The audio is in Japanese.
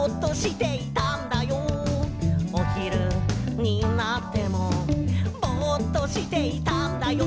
「おひるになってもぼっとしていたんだよ」